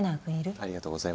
ありがとうございます。